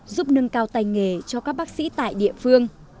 giúp nâng cao tay nghề cho các bác sĩ tại địa phương